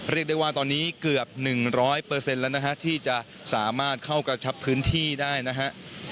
เรียกได้ว่าตอนนี้เกือบ๑๐๐แล้วนะฮะที่จะสามารถเข้ากระชับพื้นที่ได้นะฮะ